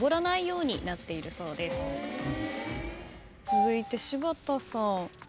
続いて柴田さん。